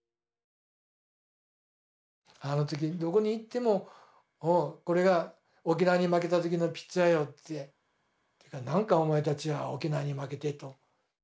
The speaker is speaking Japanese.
あの時どこに行っても「これが沖縄に負けた時のピッチャーよ」って。「なんかお前たちは沖縄に負けて」と。